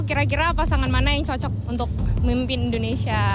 kira kira pasangan mana yang cocok untuk mimpin indonesia